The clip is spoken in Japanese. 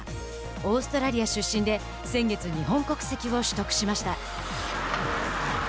オーストラリア出身で先月、日本国籍を取得しました。